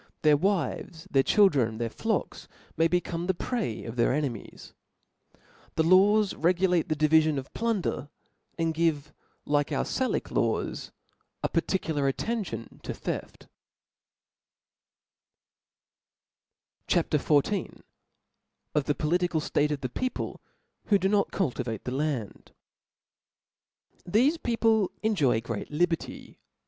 their wives, their children, their flocks, m^y become the prey of their enemies. Their 4IO T H E S P I R I T xvm'^ Their laws regulate the diviGon of plunder, and Cbap. 14. have, like our Salic laws, a particular attention to wd»5 theft. CHAP. XIV. Of the political State of the People who do not cultivate the Land. npHESE people enjoy great liberty.